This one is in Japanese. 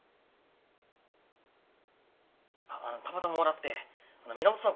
あったまたまもらって皆本さん